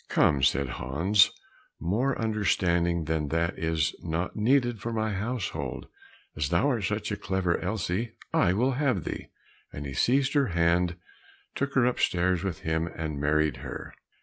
"Come," said Hans, "more understanding than that is not needed for my household, as thou art such a clever Elsie, I will have thee," and he seized her hand, took her upstairs with him, and married her.